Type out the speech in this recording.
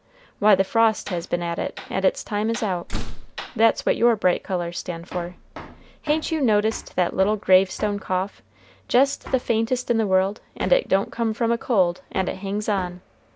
why, the frost has been at it, and its time is out. That's what your bright colors stand for. Hain't you noticed that little gravestone cough, jest the faintest in the world, and it don't come from a cold, and it hangs on.